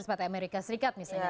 seperti amerika serikat misalnya